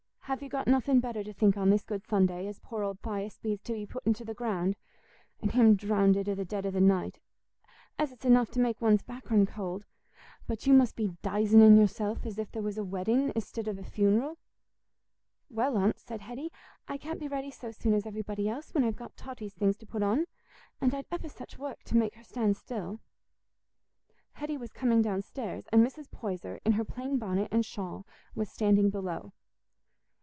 Have you got nothing better to think on this good Sunday as poor old Thias Bede's to be put into the ground, and him drownded i' th' dead o' the night, as it's enough to make one's back run cold, but you must be 'dizening yourself as if there was a wedding i'stid of a funeral?" "Well, Aunt," said Hetty, "I can't be ready so soon as everybody else, when I've got Totty's things to put on. And I'd ever such work to make her stand still." Hetty was coming downstairs, and Mrs. Poyser, in her plain bonnet and shawl, was standing below.